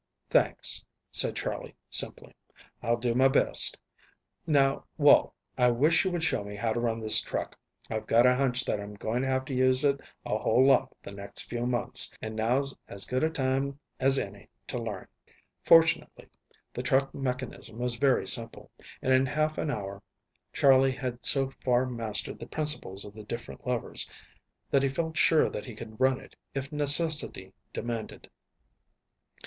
"Thanks," said Charley simply. "I'll do my best. Now, Walt, I wish you would show me how to run this truck. I've got a hunch that I'm going to have to use it a whole lot the next few months, and now's as good a time as any to learn." Fortunately the truck mechanism was very simple. And in half an hour Charley had so far mastered the principles of the different levers that he felt sure that he could run it if necessity demanded.